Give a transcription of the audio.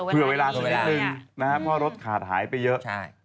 เผื่อเวลาสักนิดนึงนะครับเพราะรถขาดหายไปเยอะ